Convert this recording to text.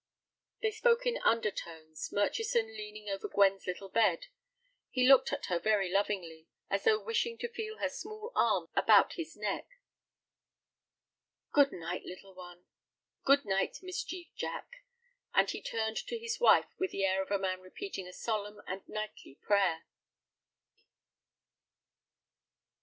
They spoke in undertones, Murchison leaning over Gwen's little bed. He looked at her very lovingly, as though wishing to feel her small arms about his neck. "Good night, little one. Good night, Mischief Jack," and he turned to his wife with the air of a man repeating a solemn and nightly prayer.